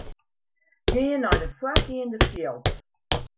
Gean nei de foargeande fjild.